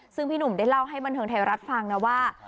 ซึ่งพี่หนุ่มได้เล่าให้บันเทิงไทยรัฐฟังนะว่า